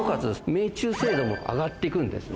命中精度も上がっていくんですね。